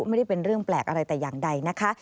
ไม่ได้เป็นเรื่องแปลกอะไรแต่อย่างใดนะคะ